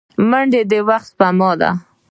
منډه د وخت سپما ده